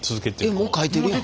えっもうかいてるやん。